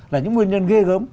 là những nguyên nhân ghê gớm